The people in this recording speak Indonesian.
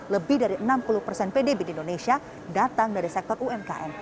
lebih dari enam puluh persen pdb di indonesia datang dari sektor umkm